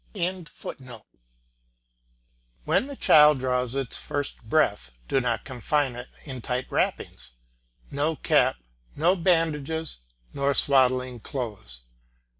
] When the child draws its first breath do not confine it in tight wrappings. No cap, no bandages, nor swaddling clothes.